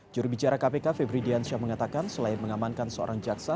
jurubicara kpk febri diansyah mengatakan selain mengamankan seorang jaksa